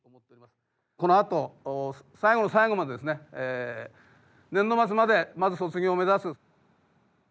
このあと最後の最後までですね年度末までまず卒業を目指す。